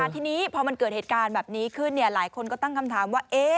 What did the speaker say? ทีนี้พอมันเกิดเหตุการณ์แบบนี้ขึ้นหลายคนก็ตั้งคำถามว่า